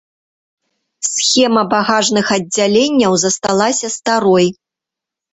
Схема багажных аддзяленняў засталася старой.